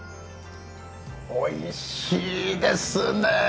おいしいですね。